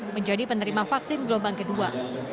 menjadi penerima vaksin gelombang kedua